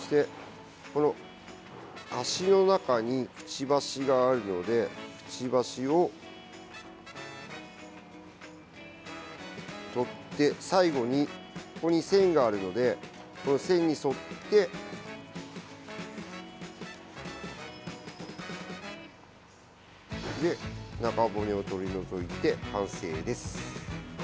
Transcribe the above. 足の中にくちばしがあるのでくちばしを取って最後に、ここに線があるので線に沿って中骨を取り除いて完成です。